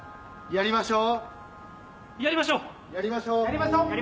やりましょう！